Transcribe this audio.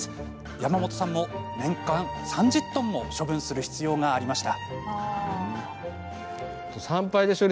山本さんも年間３０トンも処分する必要がありました。